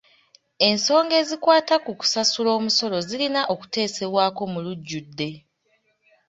Ensonga ezikwata ku kusasula omusolo zirina okuteesebwako mu lujjudde.